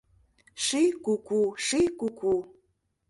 Ший куку, ший куку